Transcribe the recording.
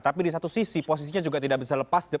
tapi di satu sisi posisinya juga tidak bisa lepas